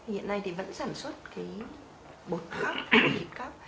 hiện nay thì vẫn sản xuất cái bột cóc thịt cóc